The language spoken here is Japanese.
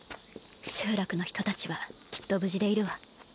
集落の人たちはきっと無事でいるわ。